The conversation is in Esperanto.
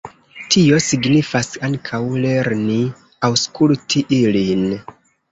Tio signifas ankaŭ lerni aŭskulti ilin.